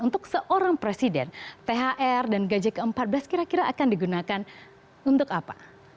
untuk seorang presiden thr dan gaji ke empat belas kira kira akan digunakan untuk apa